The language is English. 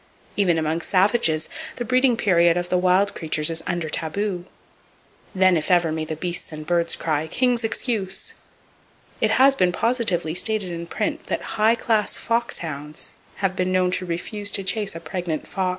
Even among savages, the breeding period of the wild creatures is under taboo. Then if ever may the beasts and birds cry "King's excuse!" It has been positively stated in print that high class fox hounds have been known to refuse to chase a pregnant fox, even when in full view.